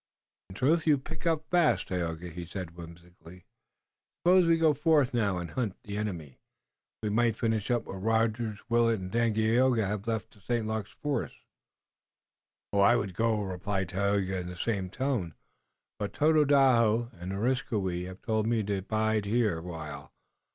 "In truth, you pick up fast, Tayoga," he said whimsically. "Suppose we go forth now and hunt the enemy. We might finish up what Rogers, Willet and Daganoweda have left of St. Luc's force." "I would go," replied Tayoga in the same tone, "but Tododaho and Areskoui have told me to bide here awhile.